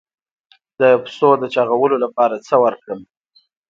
د پسونو د چاغولو لپاره څه ورکړم؟